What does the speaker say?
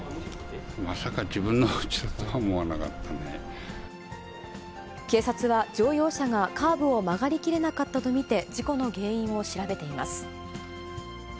まさか自分のうちだとは思わなか警察は、乗用車がカーブを曲がりきれなかったと見て、事故の原因を調べています。